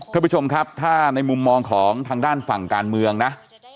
ท่านผู้ชมครับถ้าในมุมมองของทางด้านฝั่งการเมืองนะ